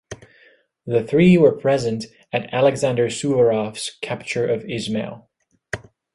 The three were present at Alexander Suvorov's capture of Izmail.